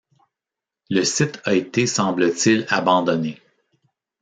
Le site a été semble-t-il abandonné.